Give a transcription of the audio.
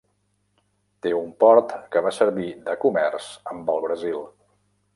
Té un port que va servir de comerç amb el Brasil.